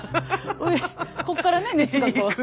上こっからね熱がこう。